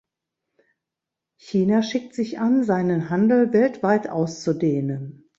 China schickt sich an, seinen Handel weltweit auszudehnen.